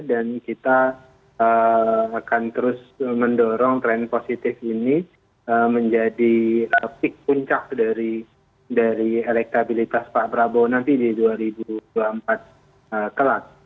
dan kita akan terus mendorong tren positif ini menjadi pik puncak dari elektabilitas pak prabowo nanti di dua ribu dua puluh empat kelas